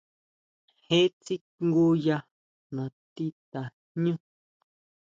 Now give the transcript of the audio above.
Jee tsinguya natí tajñú.